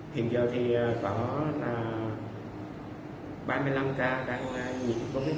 hiện giờ thì có ba mươi năm ca đang nhiễm covid